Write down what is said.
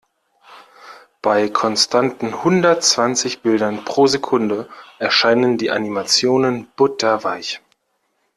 Bei konstanten hundertzwanzig Bildern pro Sekunde erscheinen die Animationen butterweich.